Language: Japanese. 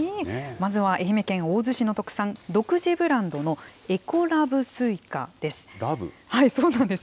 まずは愛媛県大洲市の特産、独自ブランドのエコラブスイカです。